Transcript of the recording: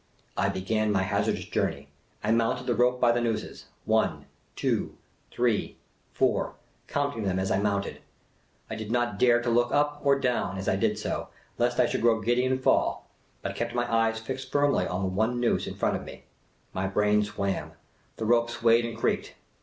I began my hazardous journey ; I mounted the rope by the nooses — one, two, three, four, counting them as I mounted. I did not dare to look up or down as I did so, lest I should grow giddy and fall, but kept my eyes fixed firmly always on the one noose in front of me. My brain swam ; the rope swayed and creaked.